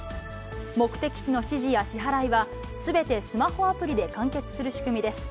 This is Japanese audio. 目的地の指示や支払いは、すべてスマホアプリで完結する仕組みです。